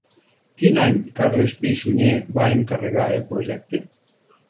Quin any Carles Pi i Sunyer va encarregar el projecte?